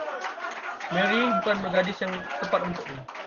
Mary bukan gadis yang tepat untukmu.